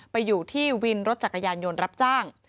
ไปอยู่ที่วินรถจักรยานยนต์รับจ้าง